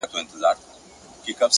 هوډ د لارې دوړې نه ویني!